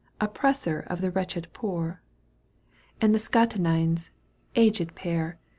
Oppressor of the wretched fcoor; And the Skatenines, £iged pair.